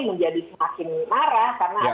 menjadi semakin marah